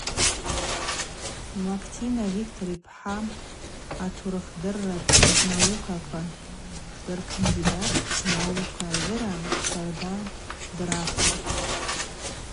Мактина Виктор йпхӏа – атурыхдырра наукаква дыркандидатпӏ, наука гӏвыра щарда дыравторпӏ.